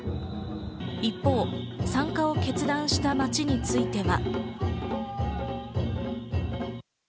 一方、参加を決断した町については。